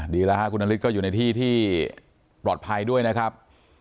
ดีแล้วค่ะคุณนฤทธิก็อยู่ในที่ที่ปลอดภัยด้วยนะครับ